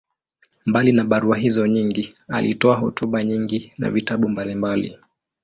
Mbali ya barua hizo nyingi, alitoa hotuba nyingi na vitabu mbalimbali.